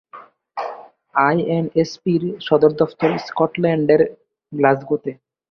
আইএনএসপি-র সদর দফতর স্কটল্যান্ডের গ্লাসগোতে।